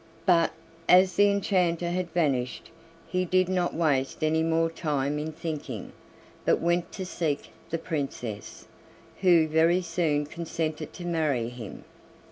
But, as the enchanter had vanished, he did not waste any more time in thinking, but went to seek the Princess, who very soon consented to marry him.